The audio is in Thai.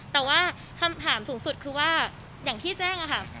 แต่ว่าคำถามสูงสุดคือว่าอย่างที่แจ้งค่ะ